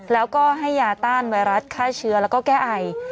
แล้วก็ให้ยาต้านไวรัสฆ่าเชื้อแล้วก็แก้ไอ